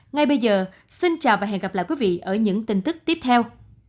ngay bây giờ xin chào và hẹn gặp lại quý vị ở những tin tức tiếp theo